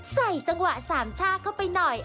ใส่จังหวะสามชาติเข้าไปหน่อย